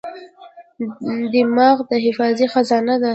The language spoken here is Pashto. دماغ د حافظې خزانه ده.